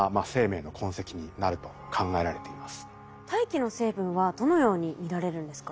大気の成分はどのように見られるんですか？